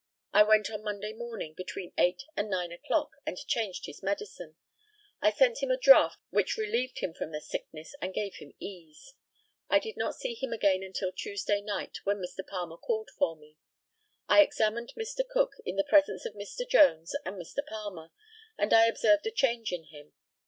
I went on Monday morning, between eight and nine o'clock, and changed his medicine. I sent him a draught which relieved him from the sickness, and gave him ease. I did not see him again until Tuesday night, when Mr. Palmer called for me. I examined Mr. Cook in the presence of Mr. Jones and Mr. Palmer, and I observed a change in him.